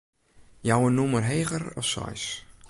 Jou in nûmer heger as seis.